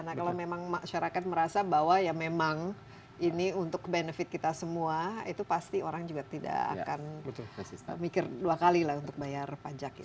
nah kalau memang masyarakat merasa bahwa ya memang ini untuk benefit kita semua itu pasti orang juga tidak akan mikir dua kali lah untuk bayar pajak itu